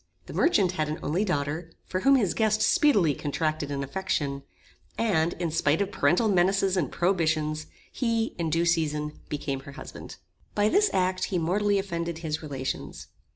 The merchant had an only daughter, for whom his guest speedily contracted an affection; and, in spite of parental menaces and prohibitions, he, in due season, became her husband. By this act he mortally offended his relations.